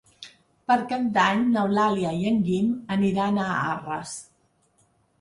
Per Cap d'Any n'Eulàlia i en Guim aniran a Arres.